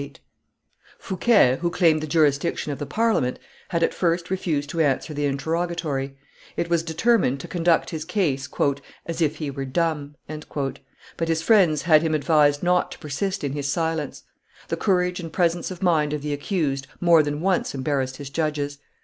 88.] Fouquet, who claimed the jurisdiction of the Parliament, had at first refused to answer the interrogatory; it was determined to conduct his case "as if he were dumb," but his friends had him advised not to persist in his silence. The courage and presence of mind of the accused more than once embarrassed his judges.